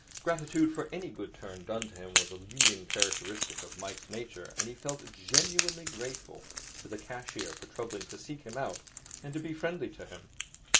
Gratitude for any good turn done to him was a leading characteristic of Mike's nature, and he felt genuinely grateful to the cashier for troubling to seek him out and be friendly to him.